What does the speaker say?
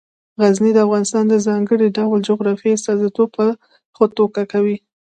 غزني د افغانستان د ځانګړي ډول جغرافیې استازیتوب په ښه توګه کوي.